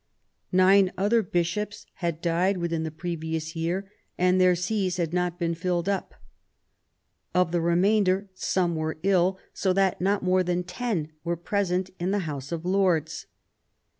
Nine other Bishops had died within the previous year, and their sees had not been filled up. Of the remainder, some were ill, so that not more than ten were present in the House of Lords.